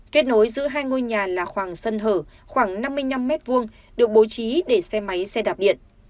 kết nối giữa hai ngôi nhà là khoảng sân hở khoảng năm mươi năm m hai được bố trí để xe máy xe đạp điện